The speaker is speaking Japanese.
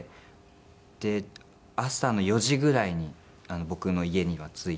で朝の４時ぐらいに僕の家には着いて。